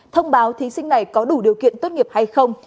thông báo thí sinh này có đủ điều kiện tốt nghiệp hay không